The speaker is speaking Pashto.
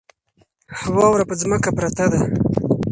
واوره په ځمکه پرته ده.